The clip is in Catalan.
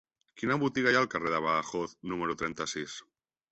Quina botiga hi ha al carrer de Badajoz número trenta-sis?